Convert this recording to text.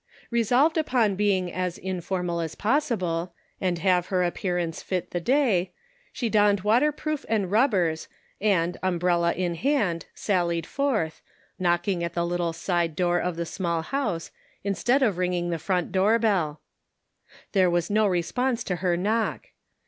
Resolved upon being as informal as possible, ind .have her appearance fit the day, she donned waterproof and rubbers, and, umbrella in hand, sallied forth, knocking at the little side door of the small house, instead of ring 290 The Pocket Measure. ing the front door bell. There was no response to her knock.